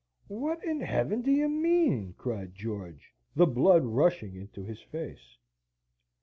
"What in heaven do you mean?" cried George, the blood rushing into his face.